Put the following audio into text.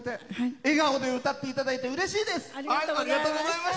笑顔で歌っていただいてうれしいです！